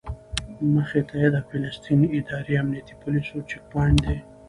مخې ته یې د فلسطیني ادارې امنیتي پولیسو چیک پواینټ دی.